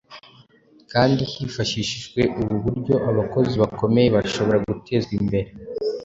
kandi hifashishijwe ubu buryo abakozi bakomeye bashobora gutezwa imbere